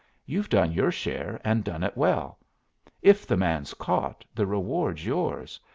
You've done your share, and done it well. If the man's caught, the reward's yours.